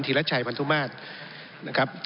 ถีระชัยพันธุมารนะครับ